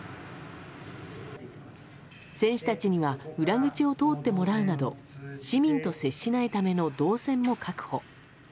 選手たちには裏口を通ってもらうなど市民と接しないための動線も確保。